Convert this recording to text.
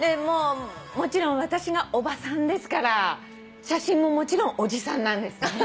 もちろん私がおばさんですから写真ももちろんおじさんなんですね。